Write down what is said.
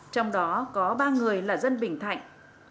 trong đó có ba người là dân bình thạnh